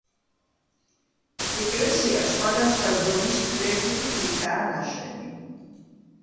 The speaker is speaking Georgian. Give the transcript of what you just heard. ეკლესია სხვადასხვა ზომის ფლეთილი ქვითაა ნაშენი.